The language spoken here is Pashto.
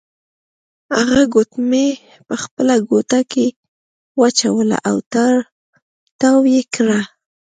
هغه ګوتمۍ په خپله ګوته کې واچوله او تاو یې کړه.